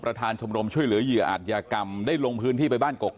ประธานชมรมช่วยเหลือเหยื่ออัตยกรรมได้ลงพื้นที่